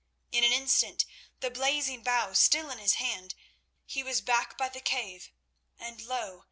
In an instant, the blazing bough still in his hand, he was back by the cave, and lo!